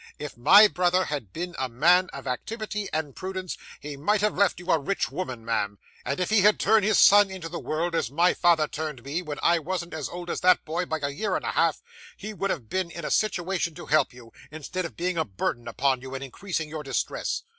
If my brother had been a man of activity and prudence, he might have left you a rich woman, ma'am: and if he had turned his son into the world, as my father turned me, when I wasn't as old as that boy by a year and a half, he would have been in a situation to help you, instead of being a burden upon you, and increasing your distress.